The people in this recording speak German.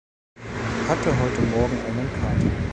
Hatte heute morgen einen Kater.